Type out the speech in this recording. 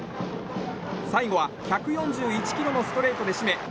最後は１４１キロのストレートで締め